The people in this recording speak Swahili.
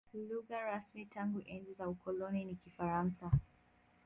Lugha rasmi tangu enzi za ukoloni ni Kifaransa.